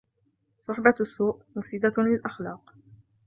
صحبة السوء مفسدة للأخلاق